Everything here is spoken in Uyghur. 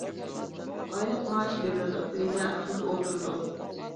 ئايلىق مائاش بېرىلىدۇ، ئۆيدە ھەقسىز ئولتۇرىدۇ.